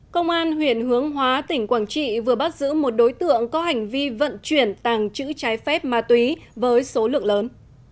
công an huyện hướng hóa tỉnh quảng trị vừa bắt giữ một đối tượng có hành vi vận chuyển tàng trữ trái phép ma túy với số lượng lớn